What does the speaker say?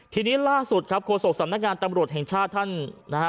ทีนี้ล่าสุดครับโฆษกสำนักงานตำรวจแห่งชาติท่านนะฮะ